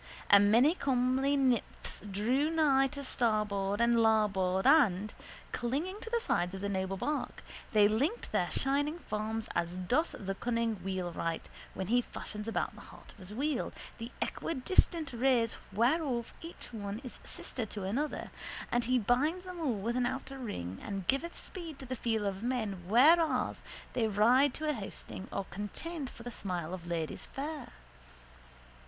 A many comely nymphs drew nigh to starboard and to larboard and, clinging to the sides of the noble bark, they linked their shining forms as doth the cunning wheelwright when he fashions about the heart of his wheel the equidistant rays whereof each one is sister to another and he binds them all with an outer ring and giveth speed to the feet of men whenas they ride to a hosting or contend for the smile of ladies fair.